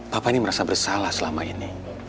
bapak ini merasa bersalah selama ini